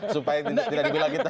supaya tidak dibilang kita